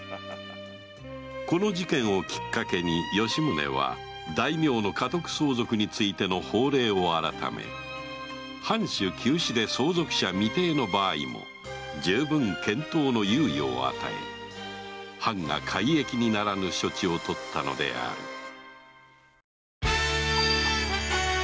この事件をきっかけに吉宗は大名の家督相続についての法令を改め藩主急死で相続者未定の場合も充分検討の猶予を与え藩が改易にならぬ処置をとったのである